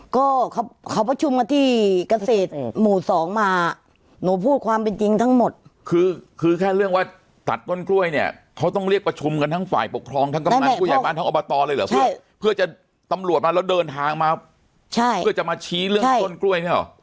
ก็เขาประชุมกันที่เกษตรหมู่สองมาหนูพูดความเป็นจริงทั้งหมดคือคือแค่เรื่องว่าตัดต้นกล้วยเนี่ยเขาต้องเรียกประชุมกันทั้งฝ่ายปกครองทั้งกำนันผู้ใหญ่บ้านทั้งอบตเลยเหรอเพื่อเพื่อจะตำรวจมาแล้วเดินทางมาใช่เพื่อจะมาชี้เรื่องต้นกล้วยเนี่ยเหรอ